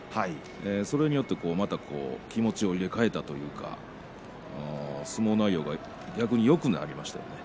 それによってまた気持ちを入れ替えたというか相撲内容が逆によくなりましたね。